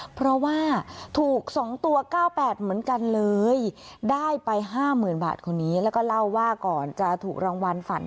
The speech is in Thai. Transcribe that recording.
เพราะว่าถูก๒ตัว๙๘เหมือนกันเลยได้ไป๕๐๐๐บาทคนนี้แล้วก็เล่าว่าก่อนจะถูกรางวัลฝัน